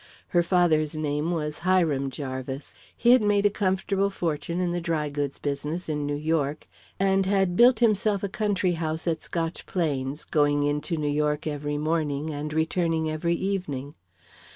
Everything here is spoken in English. Her father's name was Hiram Jarvis. He had made a comfortable fortune in the dry goods business in New York, and had built himself a country house at Scotch Plains, going in to New York every morning and returning every evening.